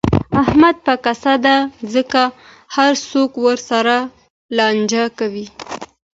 احمد به کسه دی، ځکه هر څوک ورسره لانجې کوي.